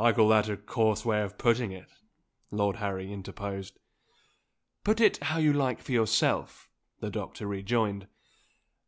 "I call that a coarse way of putting it," Lord Harry interposed. "Put it how you like for yourself," the doctor rejoined.